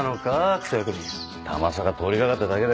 クソ役人たまさか通りがかっただけだ